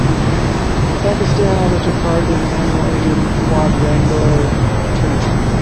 Pakistan also took part in the annual Asian Quadrangular Tournament.